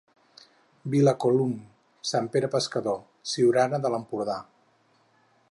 Vilamacolum, Sant Pere Pescador, Siurana de l'Empordà.